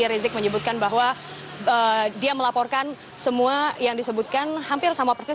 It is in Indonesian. rizik menyebutkan bahwa dia melaporkan semua yang disebutkan hampir sama persis